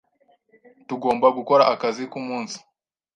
Tugomba gukora akazi kumunsi.